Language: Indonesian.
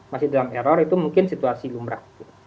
masih dalam error itu mungkin situasi lumrah